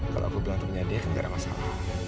kalo aku bilang temennya dia kan gara gara masalah